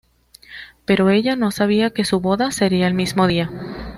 Pero, ella no sabía que su boda sería el mismo día.